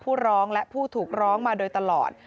ผู้ร้องและผู้ถูกร้องมาโดยตลอด